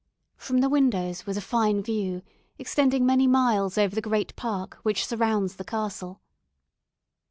From the windows was a fine view extending many miles over the great park which surrounds the castle.